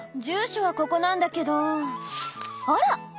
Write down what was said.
住所はここなんだけどあら！